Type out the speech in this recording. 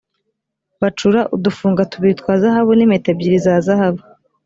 bacura udufunga tubiri twa zahabu nimpeta ebyiri za zahabu.